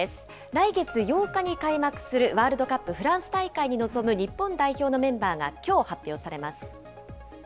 来月８日に開幕するワールドカップフランス大会に臨む日本代表のメンバーがきょう発表されます。